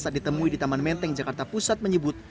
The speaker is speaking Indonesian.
saat ditemui di taman menteng jakarta pusat menyebut